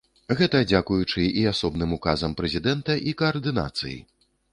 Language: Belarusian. Гэта дзякуючы і асобным указам прэзідэнта, і каардынацыі.